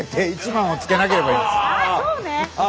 あそうね！